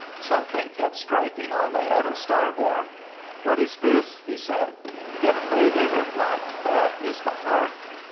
Something kept striking on the head of Star born. "What is this?" he said. "Get away," they replied, "that is the heart."